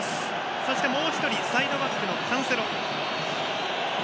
そして、もう一人サイドバックのカンセロ。